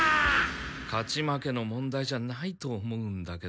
勝ち負けの問題じゃないと思うんだけど。